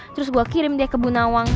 terus gue kirim dia ke bunawang